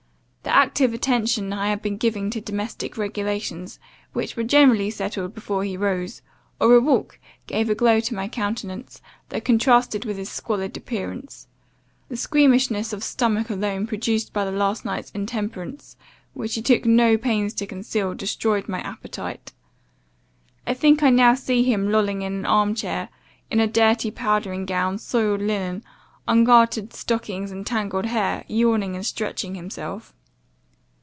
The active attention I had been giving to domestic regulations, which were generally settled before he rose, or a walk, gave a glow to my countenance, that contrasted with his squallid appearance. The squeamishness of stomach alone, produced by the last night's intemperance, which he took no pains to conceal, destroyed my appetite. I think I now see him lolling in an arm chair, in a dirty powdering gown, soiled linen, ungartered stockings, and tangled hair, yawning and stretching himself.